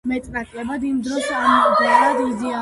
იმ დროს ამგვარი იდეა სრულიად ერეტიკული იყო.